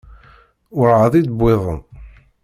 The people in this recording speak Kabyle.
Werɛad i d-wwiḍen.